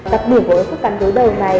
đặc biệt với khớp cắn đối đầu này